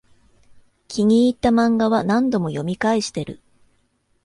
気に入ったマンガは何度も読み返してる